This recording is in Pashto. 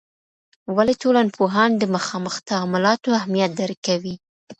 ولي ټولنپوهان د مخامخ تعاملاتو اهمیت درک کوي؟